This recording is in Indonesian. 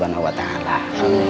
terima kasih ustadzah